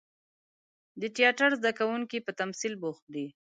د تیاتر زده کوونکي په تمثیل بوخت دي.